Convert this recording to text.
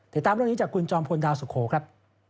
ติดตามเรื่องนี้จากคุณจอมพลดาวสุโขครับ